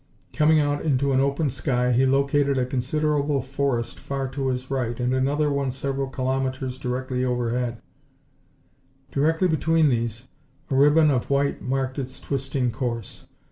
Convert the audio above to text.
Coming out into an open sky he located a considerable forest far to his right and another one several kilometers directly ahead. Directly between these a ribbon of white marked its twisting course.